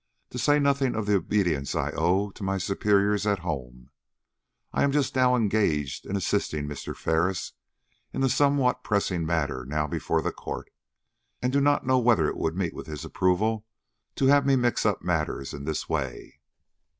To say nothing of the obedience I owe my superiors at home, I am just now engaged in assisting Mr. Ferris in the somewhat pressing matter now before the court, and do not know whether it would meet with his approval to have me mix up matters in this way."